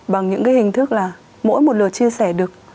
bằng những cái hình thức là mỗi một lượt chia sẻ được